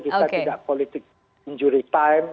kita tidak politik injury time